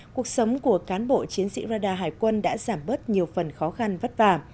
cuộc sống của cán bộ chiến sĩ radar hải quân đã giảm bớt nhiều phần khó khăn vất vả